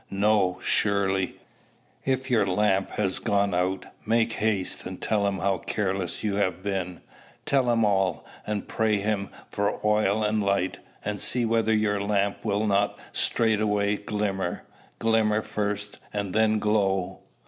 No, surely. If your lamp has gone out, make haste and tell him how careless you have been; tell him all, and pray him for oil and light; and see whether your lamp will not straightway glimmer, glimmer first and then glow."